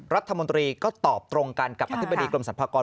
รัฐมนตรีก็ตอบตรงกันกับอธิบดีกรมสรรพากร